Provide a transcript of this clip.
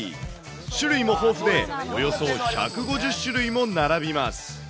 種類も豊富で、およそ１５０種類も並びます。